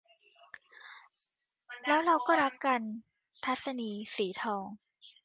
แล้วเราก็รักกัน - ทัศนีย์ สีทอง